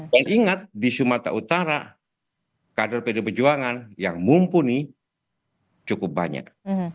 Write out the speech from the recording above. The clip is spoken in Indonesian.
dan ingat di sumatera utara kader pdp perjuangan yang mumpuni cukup banyak